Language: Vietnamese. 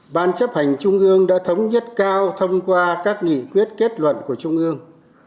ban chấp hành trung ương đã thống nhất cao thông qua các nghị quyết kết luận của trung ương